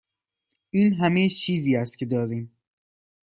این همه چیزی است که داریم.